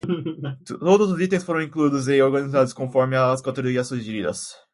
Todos os itens foram incluídos e organizados conforme as categorias sugeridas.